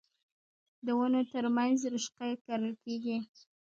د ونو ترمنځ رشقه کرل کیږي.